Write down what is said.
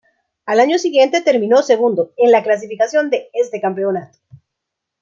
Al año siguiente terminó segundo en la clasificación de este campeonato.